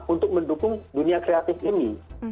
untuk mendukung dunia kreatif ini